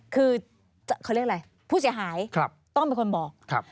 คือเขาเรียกอะไรผู้เสียหายต้องเป็นคนบอก